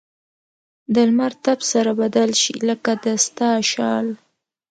د لمر تپ سره بدل شي؛ لکه د ستا شال.